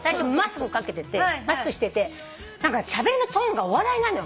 最初マスクしてて何かしゃべりのトーンがお笑いなのよ